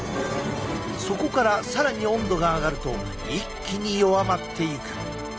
そこから更に温度が上がると一気に弱まっていく。